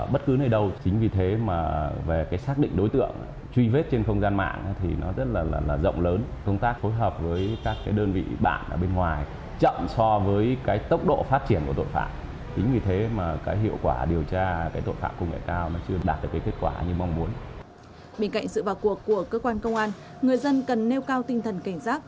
bên cạnh sự vào cuộc của cơ quan công an người dân cần nêu cao tinh thần cảnh giác